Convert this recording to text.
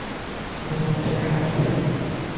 সামনেই একটা ঘাট আছে।